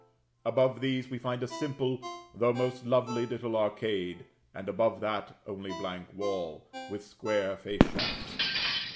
Above these, we find a simple though most lovely, little arcade; and above that, only blank wall, with square face shafts.